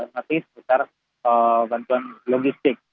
masih sebesar bantuan logistik